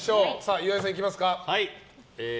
岩井さん、いきますか。